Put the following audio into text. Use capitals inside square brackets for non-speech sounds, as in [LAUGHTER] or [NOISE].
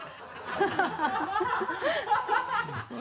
ハハハ [LAUGHS]